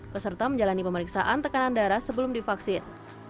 peserta menjalani pemeriksaan tekanan darah sebelum divaksin